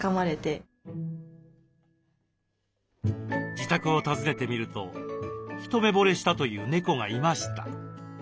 自宅を訪ねてみると一目ぼれしたという猫がいました。